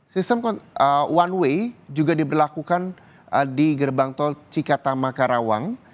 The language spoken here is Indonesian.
sistem one way juga diberlakukan di gerbang tol cikatama karawang